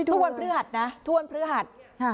ทั่ววันพฤหัสนะทั่ววันพฤหัส